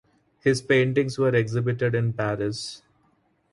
His paintings were exhibited in Paris.